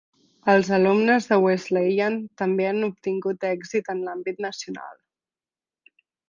Els alumnes de Wesleyan també han obtingut èxit en l'àmbit nacional.